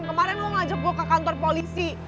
kemarin mau ngajak gue ke kantor polisi